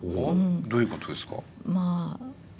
どういうことですか？